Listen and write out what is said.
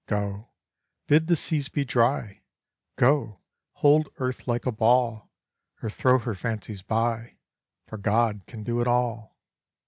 Go, bid the seas be dry, Go, hold earth like a ball, Or throw her fancies by, For God can do it all.